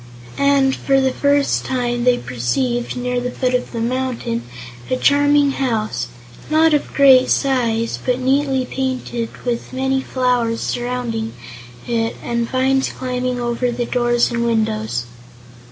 And, for the first time, they perceived, near the foot of the mountain, a charming house, not of great size but neatly painted and with many flowers surrounding it and vines climbing over the doors and windows.